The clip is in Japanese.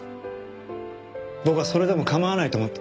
僕はそれでも構わないと思った。